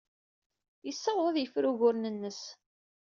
Yessaweḍ ad yefru uguren-nnes.